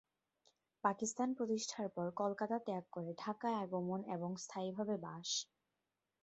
পাকিস্তান প্রতিষ্ঠার পর কলকাতা ত্যাগ করে ঢাকায় আগমন এবং স্থায়ীভাবে বাস।